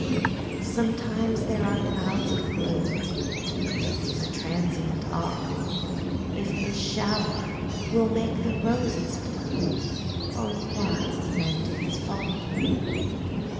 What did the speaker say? Sometimes there are clouds of gloom, But these are transient all; If the shower will make the roses bloom, O why lament its fall?